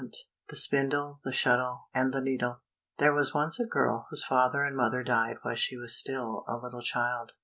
188 The Spindle, The Shuttle, and the Needle There was once a girl whose father and mother died while she was still a little child.